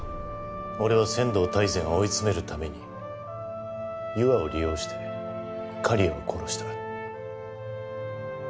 俺は千堂大善を追い詰めるために優愛を利用して刈谷を殺した。